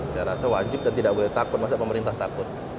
saya rasa wajib dan tidak boleh takut masa pemerintah takut